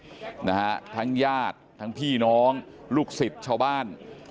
นะฮะทั้งญาติทั้งพี่น้องลูกศิษย์ชาวบ้าน